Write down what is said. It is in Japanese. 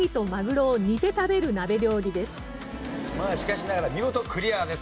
まあしかしながら見事クリアです。